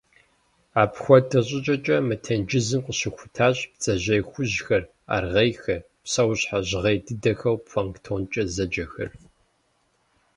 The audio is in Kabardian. Апхуэдэ щӀыкӀэкӀэ мы тенджызым къыщыхутащ бдзэжьей хужьхэр, аргъейхэр, псэущхьэ жьгъей дыдэхэу «планктонкӀэ» зэджэхэр.